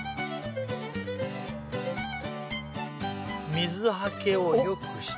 水はけを良くして。